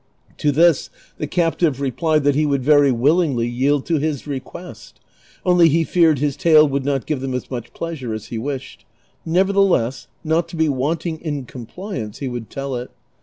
To this the captive replied that he would very willingly yield to his request, only he feared his tale would not give them as much pleasure as he wished ; nevertheless, not to be wanting in compliance, he would tell it.